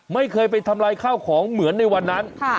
ไม่เคยไปทำลายข้าวของเหมือนในวันนั้น